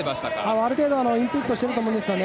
ある程度インプットしてると思うんですよね。